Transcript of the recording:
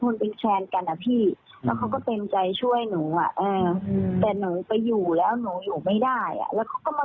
ไม่เป็นสาวบริการนะ